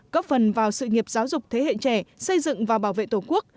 góp phần vào sự nghiệp giáo dục thế hệ trẻ xây dựng và bảo vệ tổ quốc